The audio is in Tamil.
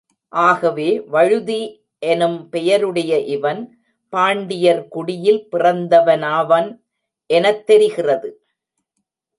ஆகவே, வழுதி எனும் பெயருடைய இவன், பாண்டியர் குடியில் பிறந்தவனாவன் எனத் தெரிகிறது.